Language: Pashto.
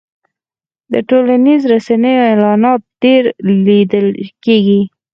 د ټولنیزو رسنیو اعلانات ډېر لیدل کېږي.